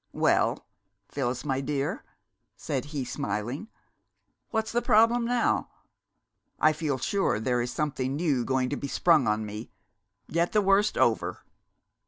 "Well, Phyllis, my dear," said he, smiling, "what's the problem now? I feel sure there is something new going to be sprung on me get the worst over!"